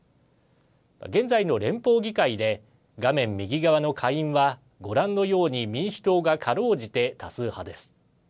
現在の連邦議会で画面右側の下院は、ご覧のように民主党がかろうじて多数派です。